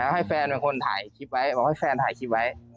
ให้แฟนเป็นคนถ่ายคลิปไว้บอกให้แฟนถ่ายคลิปไว้